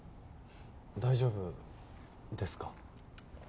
大丈夫ですか？